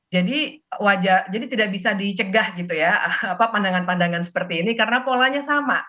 jadi wajah jadi tidak bisa dicegah gitu ya apa pandangan pandangan seperti ini karena polanya sama